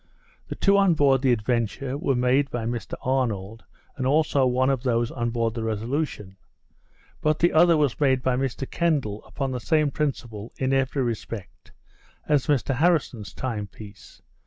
The two on board the Adventure were made by Mr Arnold, and also one of those on board the Resolution; but the other was made by Mr Kendal, upon the same principle, in every respect, as Mr Harrison's time piece.